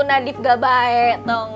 nadif gak baik tau gak